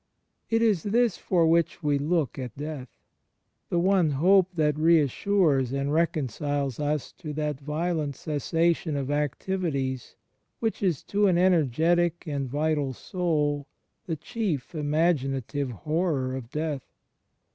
It is this for which we look at death — the one hope that reassures and reconciles us to that violent cessa tion of activities which is to an energetic and vital soul the chief imaginative horror of death.